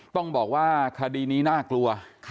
ต้องบอกว่าคดีนี้น่ากลัว